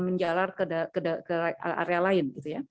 menjalar ke area lain